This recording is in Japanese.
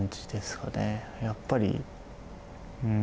やっぱりうん。